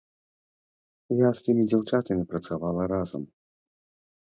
Я з тымі дзяўчатамі працавала разам.